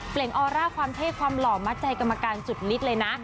เปลี่ยนออร่าความเท่ความหล่อมาใจกรรมการจุดลิตเลยนะ